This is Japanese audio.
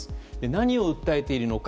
何を訴えているのか。